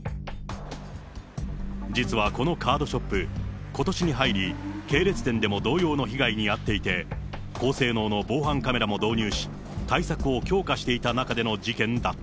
実はこのカードショップ、ことしに入り、系列店でも同様の被害に遭っていて、高性能の防犯カメラも導入し、対策を強化していた中での事件だっ